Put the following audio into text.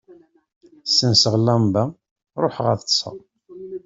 Ssenseɣ llamba, ruḥeɣ ad ṭṭseɣ.